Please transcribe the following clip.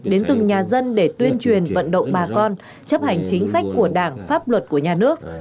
đến từng nhà dân để tuyên truyền vận động bà con chấp hành chính sách của đảng pháp luật của nhà nước